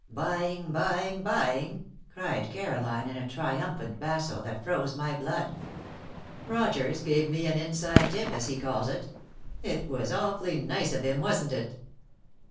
"Buying! buying! buying!" cried Caroline, in a triumphant basso that froze my blood. "Rogers gave me an inside tip, as he calls it. It was awfully nice of him, wasn't it?"